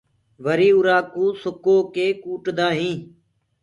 وري اُرآ ڪوُ سُڪو ڪي ڪوُٽدآ هينٚ۔